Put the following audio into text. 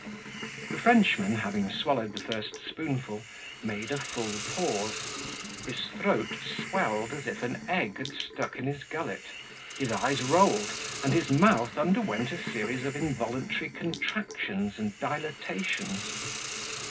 The Frenchman, having swallowed the first spoonful, made a full pause, his throat swelled as if an egg had stuck in his gullet, his eyes rolled, and his mouth underwent a series of involuntary contractions and dilatations.